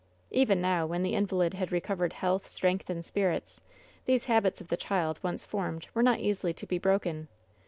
Even now, when the invalid had recovered health, strength and spirits, these habits of the child, once formed, were WHEN SHADOWS DIE 28 Bot easily to be broken.